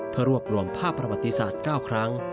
เพื่อรวบรวมภาพประวัติศาสตร์๙ครั้ง